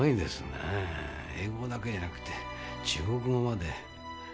英語だけじゃなくて中国語まで。